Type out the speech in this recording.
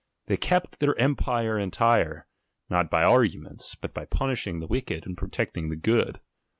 They kept their empire entire, not by arguments, but by punishing the wicked and protecting the good.